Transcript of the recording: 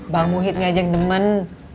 bang muhid ini aja yang demen